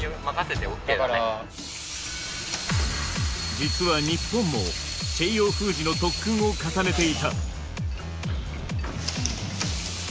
実は日本もチェイヨー封じの特訓を重ねていた。